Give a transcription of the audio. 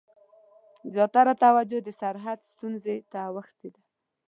زیاته توجه د سرحد ستونزې ته اوښتې ده.